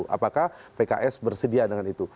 apakah pks bersedia dengan itu